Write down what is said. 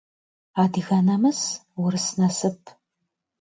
Adıge namıs, vurıs nasıp.